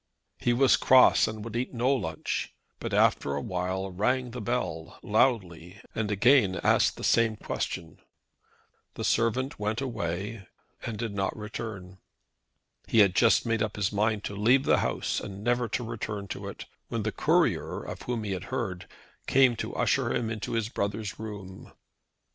He was cross and would eat no lunch, but after awhile rang the bell, loudly, and again asked the same question. The servant again went away and did not return. He had just made up his mind to leave the house and never to return to it, when the Courier, of whom he had heard, came to usher him into his brother's room.